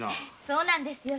そうなんですよ。